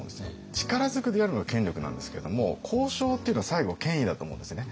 力ずくでやるのが権力なんですけれども交渉っていうのは最後権威だと思うんですね。